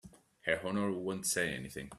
Her Honor won't say anything.